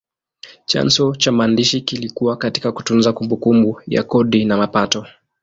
Chanzo cha maandishi kilikuwa katika kutunza kumbukumbu ya kodi na mapato.